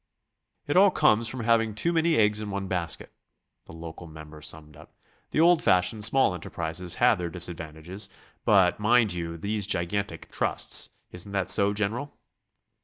"It all comes from having too many eggs in one basket," the local member summed up. "The old fashioned small enterprises had their disadvantages, but mind you these gigantic trusts.... Isn't that so, General?"